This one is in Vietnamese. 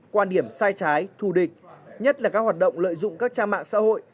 quan điểm sai trái thù địch nhất là các hoạt động lợi dụng các trang mạng xã hội